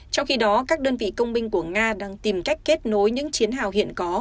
trong khi đó các đơn vị công binh của nga đang tìm cách kết nối những chiến hào hiện có